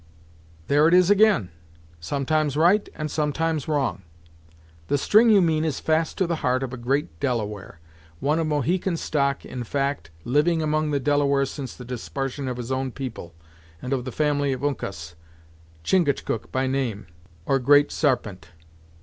"There it is ag'in; sometimes right, and sometimes wrong! The string you mean is fast to the heart of a great Delaware; one of Mohican stock in fact, living among the Delawares since the disparsion of his own people, and of the family of Uncas Chingachgook by name, or Great Sarpent.